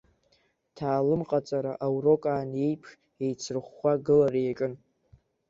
Ҭаалымҟаҵара аурок аан еиԥш еицрыхәхәа агылара иаҿын.